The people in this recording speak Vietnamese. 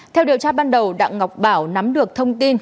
theo điều tra ban đầu đặng ngọc bảo nắm được thông tin